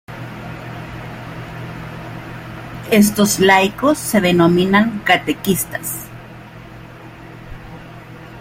Estos laicos se denominan "Catequistas".